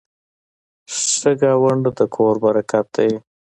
ښه ګاونډ د کور برکت دی.